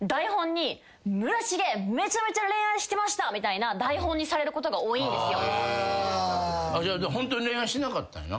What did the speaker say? みたいな台本にされることが多いんですよ。